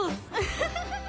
フフフフフ。